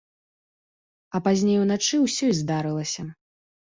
А пазней, уначы, усё і здарылася.